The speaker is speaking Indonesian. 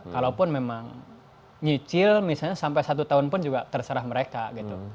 kalaupun memang nyicil misalnya sampai satu tahun pun juga terserah mereka gitu